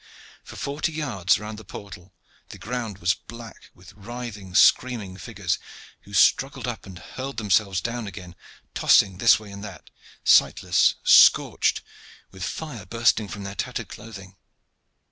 For forty yards round the portal the ground was black with writhing, screaming figures, who struggled up and hurled themselves down again, tossing this way and that, sightless, scorched, with fire bursting from their tattered clothing.